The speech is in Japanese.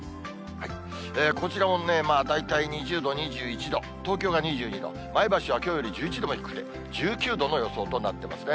こちらも大体２０度、２１度、東京が２２度、前橋はきょうより１１度も低くて１９度の予想となってますね。